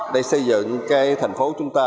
để xây dựng cái thành phố chúng ta